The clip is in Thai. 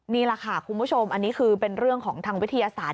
นี่แหละค่ะคุณผู้ชมอันนี้คือเป็นเรื่องของทางวิทยาศาสตร์